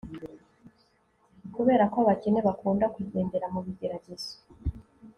Kuberako abakene bakunda kugendera mubigeragezo